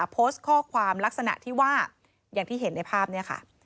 โพสต์ข้อความลักษณะที่ว่าอย่างที่เห็นในภาพนี้ค่ะ